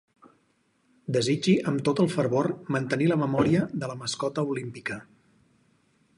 Desitgi amb tot el fervor mantenir la memòria de la mascota olímpica.